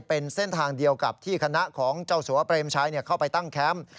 เป็นเส้นทางเดียวกับที่คณะของเจ้าสัวเปรมชัยเข้าไปตั้งแคมป์